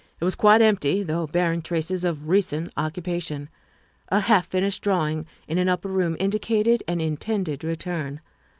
It was quite empty, though bearing traces of recent occupation ; a half finished drawing in an upper room indicated an intended return.